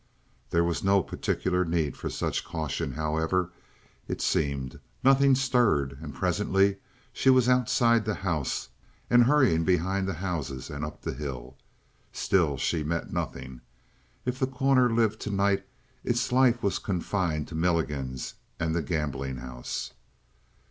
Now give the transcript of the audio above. There was no particular need for such caution, however, it seemed. Nothing stirred. And presently she was outside the house and hurrying behind the houses and up the hill. Still she met nothing. If The Corner lived tonight, its life was confined to Milligan's and the gambling house.